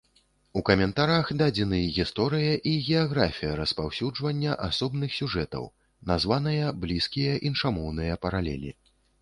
У каментарах дадзены гісторыя і геаграфія распаўсюджвання асобных сюжэтаў, названыя блізкія іншамоўныя паралелі.